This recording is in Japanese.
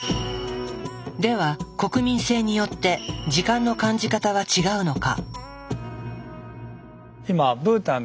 では国民性によって時間の感じ方は違うのか？